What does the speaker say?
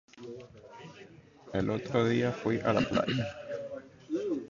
The nearby Marsden Bay includes the Marsden Rock sea stack.